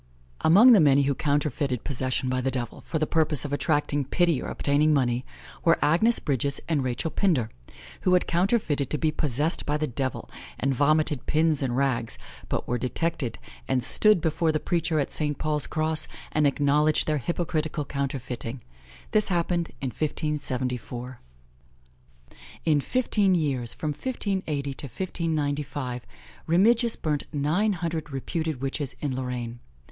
Among the many who counterfeited possession by the devil, for the purpose of attracting pity or obtaining money, were Agnes Bridges and Rachel Pinder, who had counterfeited to be possessed by the devil, and vomited pins and rags; but were detected, and stood before the preacher at St. Paul's Cross, and acknowledged their hypocritical counterfeiting: this happened in 1574. In fifteen years, from 1580 to 1595, Remigius burnt nine hundred reputed witches in Lorraine.